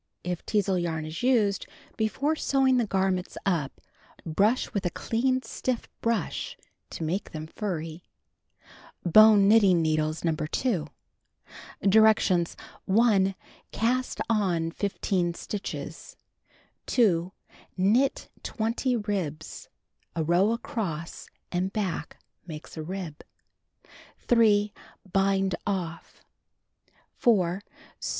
If Teazle yarn is used, before sewing the garments up, brush with a clean stiff brush to make them furry. Bone knitting needles No. 2. Du'ections : L Cast on 15 stitchefs, 2. Knit 20 ribs (a row across and back makes a rib) 3. Bind off. BACK OF PURSE satm.